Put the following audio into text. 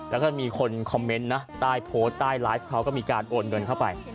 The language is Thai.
แล้วก็มีคนคอมเมนต์นะใต้โพสต์ใต้ไลฟ์เขาก็มีการโอนเงินเข้าไป